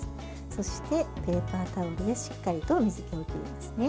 そして、ペーパータオルでしっかりと水けを切りますね。